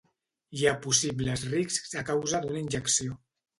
Hi ha possibles riscs a causa d'una injecció.